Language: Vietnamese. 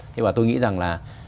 thế mà tôi nghĩ rằng là